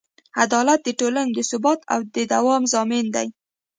عدالت د ټولنې د ثبات او دوام ضامن دی.